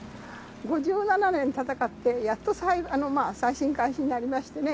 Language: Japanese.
５７年闘って、やっと再審開始になりましてね。